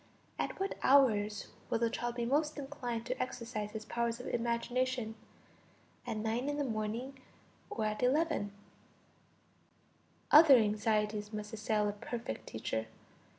At what hours will the child be most inclined to exercise his powers of imagination, at 9 in the morning or at 11? Other anxieties must assail a perfect teacher!